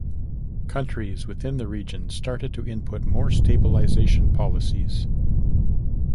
Countries within the region started to input more stabilization policies.